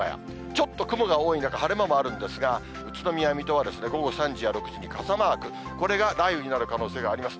ちょっと雲が多い中、晴れ間もあるんですが、宇都宮、水戸は、午後３時や６時に傘マーク、これが雷雨になる可能性があります。